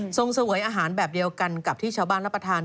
เสวยอาหารแบบเดียวกันกับที่ชาวบ้านรับประทาน